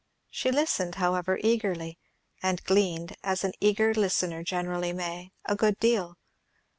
She listened, however, eagerly; and gleaned, as an eager listener generally may, a good deal.